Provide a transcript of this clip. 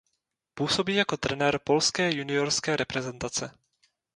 Působí jako trenér polské juniorské reprezentace.